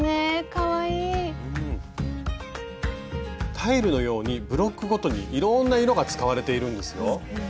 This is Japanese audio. タイルのようにブロックごとにいろんな色が使われているんですよ。